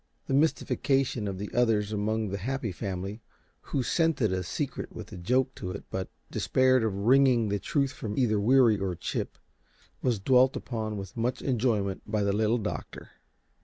The mystification of the others among the Happy Family, who scented a secret with a joke to it but despaired of wringing the truth from either Weary or Chip, was dwelt upon with much enjoyment by the Little Doctor.